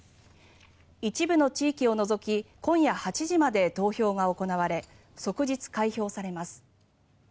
一部の地域を除き今夜８時まで投票が行われ即日開票されます。